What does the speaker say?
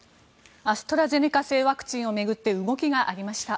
アストラゼネカ製のワクチンを巡って動きがありました。